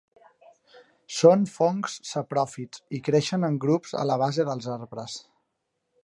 Són fongs sapròfits i creixen en grups a la base dels arbres.